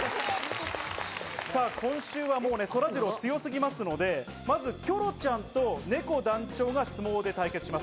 今週はそらジロー強すぎますので、まずキョロちゃんとねこ団長が相撲で対決します。